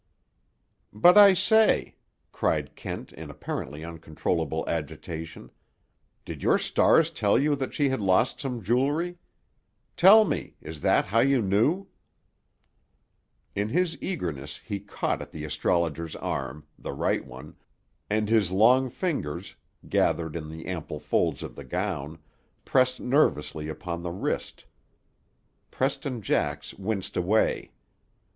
"But I say," cried Kent in apparently uncontrollable agitation; "did your stars tell you that she had lost some jewelry? Tell me, is that how you knew?" [Illustration: See how the aural light seeks it.] In his eagerness he caught at the astrologer's arm, the right one, and his long fingers, gathering in the ample folds of the gown, pressed nervously upon the wrist. Preston Jax winced away.